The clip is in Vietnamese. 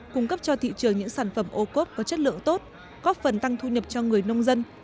cung cấp cho thị trường những sản phẩm ô cốp có chất lượng tốt góp phần tăng thu nhập cho người nông dân